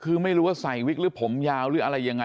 คือไม่รู้ว่าใส่วิกหรือผมยาวหรืออะไรยังไง